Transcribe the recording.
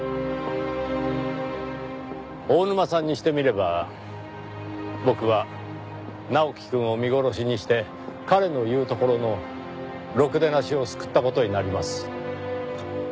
大沼さんにしてみれば僕は直樹くんを見殺しにして彼の言うところのろくでなしを救った事になります。